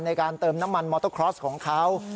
ในการเติมน้ำมันมอเตอร์คลอสของเขา